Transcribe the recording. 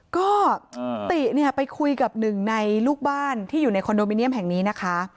ก็ติเนี่ยไปคุยกับหนึ่งในลูกบ้านที่อยู่ในคอนโดมิเนียมแห่งนี้นะคะ